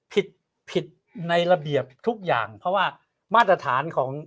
ผิดผิดในระเบียบทุกอย่างเพราะว่ามาตรฐานของ